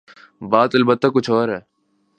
بات البتہ کچھ اور ہے۔